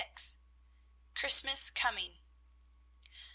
CHRISTMAS COMING.